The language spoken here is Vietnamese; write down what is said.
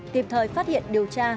tìm thời phát hiện điều tra